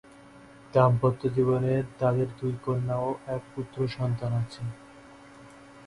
দাম্পত্য জীবনে তাদের দুই কন্যা ও এক পুত্র সন্তান আছে।